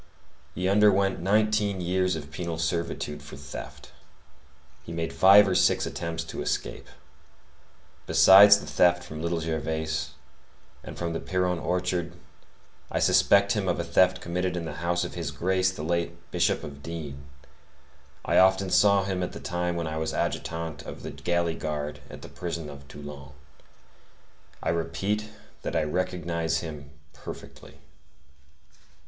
He underwent nineteen years of penal servitude for theft. He made five or six attempts to escape. Besides the theft from Little Gervais, and from the Pierron orchard, I suspect him of a theft committed in the house of His Grace the late Bishop of D—— I often saw him at the time when I was adjutant of the galley guard at the prison in Toulon. I repeat that I recognize him perfectly.